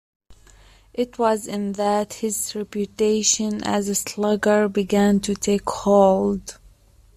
It was in that his reputation as a slugger began to take hold.